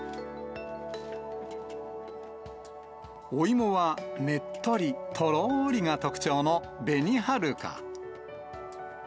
お芋はねっとり、とろーりが特徴の紅はるか。